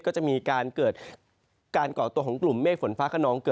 ก็จะมีการเกิดการก่อตัวของกลุ่มเมฆฝนฟ้าขนอง